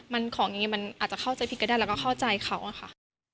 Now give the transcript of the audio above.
มันอาจจะเข้าใจผิดก็ได้แล้วก็เข้าใจเขาค่ะ